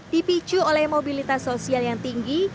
dipicu oleh mobilitas sosial yang tinggi